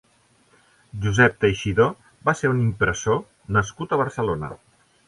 Josep Teixidor va ser un impressor nascut a Barcelona.